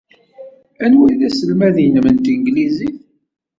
Anwa ay d aselmad-nnem n tanglizit?